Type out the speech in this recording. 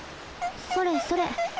それそれ。